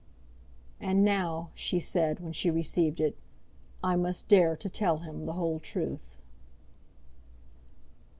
"And now," she said, when she received it, "I must dare to tell him the whole truth."